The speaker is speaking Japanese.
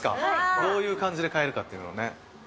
どういう感じで買えるかっていうのをね。